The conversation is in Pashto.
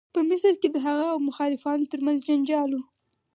په مصر کې د هغه او مخالفانو تر منځ جنجال و.